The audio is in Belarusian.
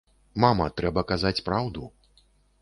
Мама, трэба казаць праўду.